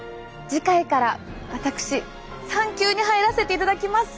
次回から私産休に入らせていただきます。